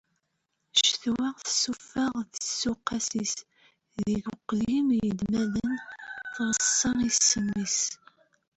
Ccetwa tessuffeɣ-d tisuqas-is. Deg uglim n yemdanen treṣṣa ssem-is.